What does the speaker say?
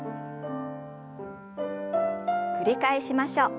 繰り返しましょう。